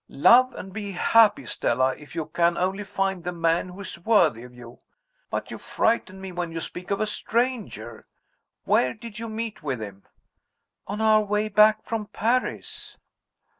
Love and be happy, Stella if you can only find the man who is worthy of you. But you frighten me when you speak of a stranger. Where did you meet with him?" "On our way back from Paris."